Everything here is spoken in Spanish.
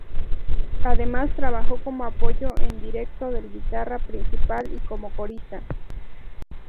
Además trabajó como apoyo en directo del guitarra principal y como corista.